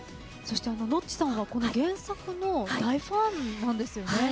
のっちさんは原作の大ファンなんですよね。